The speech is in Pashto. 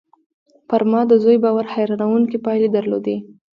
پر ما د زوی باور حيرانوونکې پايلې درلودې